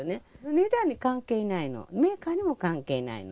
値段に関係ないの、メーカーにも関係ないの。